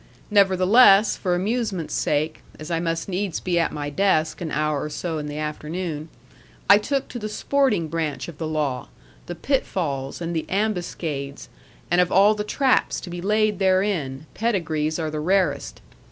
Nevertheless, for amusement's sake, as I must needs be at my desk an hour or so in the afternoon, I took to the sporting branch of the law, the pitfalls, and the ambuscades; and of all the traps to be laid therein, pedigrees are the rarest.